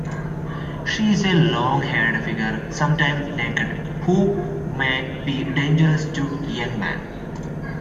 She is a long-haired figure, sometimes naked, who may be dangerous to young men.